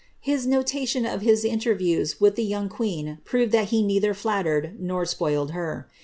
His notation of his interviews with the young queen prove that he neither flattered nor spoiled her.